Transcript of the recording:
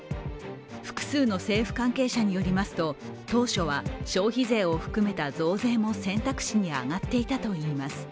複数の政府関係者によりますと当初は消費税を含めた増税も選択肢に上がっていたといいます。